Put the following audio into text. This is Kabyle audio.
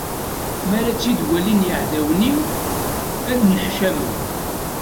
Mi ara tt-id-walin yiεdawen-iw, ad nneḥcamen.